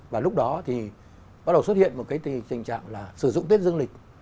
và lúc đó thì bắt đầu xuất hiện một cái tình trạng là sử dụng tết dương lịch